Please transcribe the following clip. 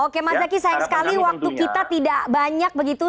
oke mas zaky sayang sekali waktu kita tidak banyak begitu